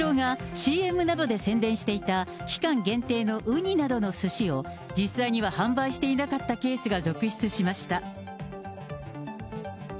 スシローがＣＭなどで宣伝していた、期間限定のウニなどのすしを、実際には販売していないケースが続出しました。